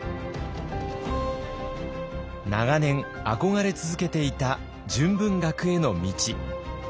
長年憧れ続けていた純文学への道。